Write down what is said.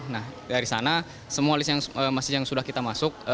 nah dari sana semua list yang sudah kita masuk